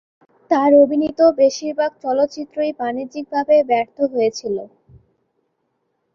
তাঁর অভিনীত বেশিরভাগ চলচ্চিত্রই বাণিজ্যিকভাবে ব্যর্থ হয়েছিল।